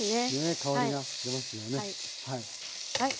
はい。